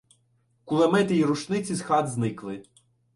Кулемети й рушниці з хат зникли.